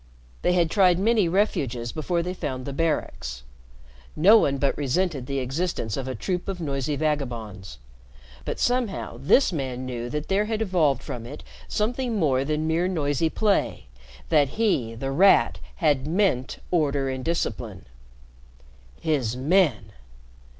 They had tried many refuges before they found the Barracks. No one but resented the existence of a troop of noisy vagabonds. But somehow this man knew that there had evolved from it something more than mere noisy play, that he, The Rat, had meant order and discipline. "His men!"